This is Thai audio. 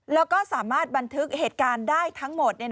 แล้วก็สามารถบันทึกเหตุการณ์ได้ทั้งหมด